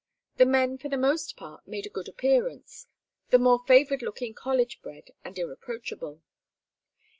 The men for the most part made a good appearance, the more favored looking college bred and irreproachable.